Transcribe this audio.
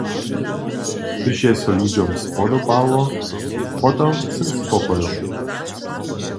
Hdyž je so ludźom spodobało, potom smy spokojom.